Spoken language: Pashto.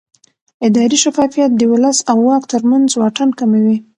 اداري شفافیت د ولس او واک ترمنځ واټن کموي